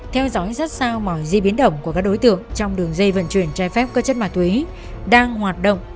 theo dõi rất sao mọi di biến động của các đối tượng trong đường dây vận chuyển trái phép cơ chất ma túy đang hoạt động